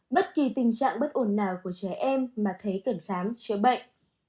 một mươi một bất kỳ tình trạng bất ổn nào của trẻ em mà thấy cần khám chữa bệnh